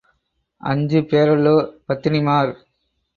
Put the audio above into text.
அஞ்சு பேரல்லோ பத்தினிமார்?